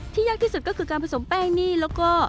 ยากที่สุดก็คือการผสมแป้งนี่แล้วก็